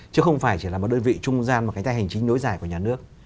chứ không phải chỉ là một đơn vị trung gian một cái tay hành chính nối giải của nhà nước